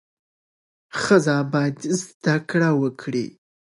ښځه باید زده کړه وکړي.